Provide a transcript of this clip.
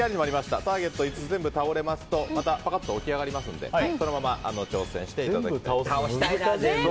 ５つターゲットが倒れますとまたパカッと起き上がりますのでそのまま挑戦していただいて。